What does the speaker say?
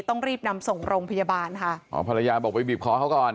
ต้องรีบนำส่งโรงพยาบาลค่ะอ๋อภรรยาบอกไปบีบคอเขาก่อน